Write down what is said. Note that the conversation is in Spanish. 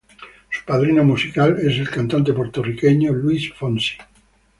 Su padrino musical es el cantante puertorriqueño Luis Fonsi.